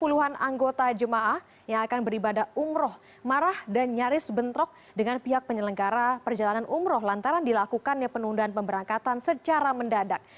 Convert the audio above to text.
puluhan anggota jemaah yang akan beribadah umroh marah dan nyaris bentrok dengan pihak penyelenggara perjalanan umroh lantaran dilakukannya penundaan pemberangkatan secara mendadak